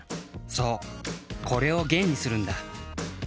そうこれをげんにするんだ。